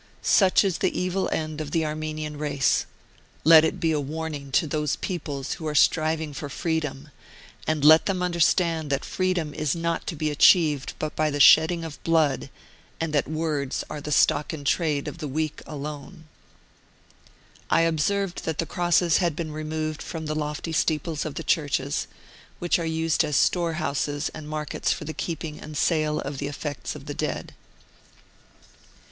Such is the evil end of the Armenian race : let it be a warning to those peoples *Some remarks in this connection are omitted, TRANS LATOR. 34 Martyred Armenia who are striving for freedom, and let them under stand that freedom is not to be achieved but by the shedding of blood, and that words are the stock in trade of the weak alone. I observed that the crosses had been removed from the lofty steeples of the churches, which are used as storehouses and markets for the keeping and sale of the effects of the dead.